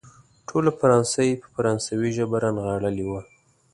ټوله فرانسه يې په فرانسوي ژبه رانغاړلې وه.